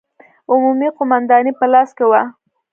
عمومي قومانداني په لاس کې وه.